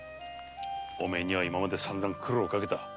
お前には今までさんざん苦労をかけた。